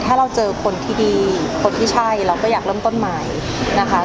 ถ้าเราเจอคนที่ดีคนที่ใช่เราก็อยากเริ่มต้นใหม่นะคะ